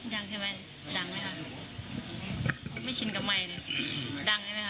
ดังใช่ไหมดังเลยค่ะไม่ชินกับไมค์เลยดังใช่ไหมคะ